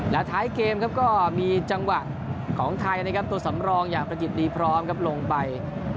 และท้ายเกมครับก็มีจังหวะของไทยนะครับตัวสำรองอย่างประกิจดีพร้อมครับลงไป